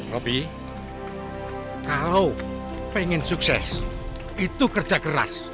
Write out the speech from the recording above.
roby kalau pengen sukses itu kerja keras